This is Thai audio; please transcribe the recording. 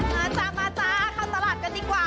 มาจ้ามาจ้าเข้าตลาดกันดีกว่า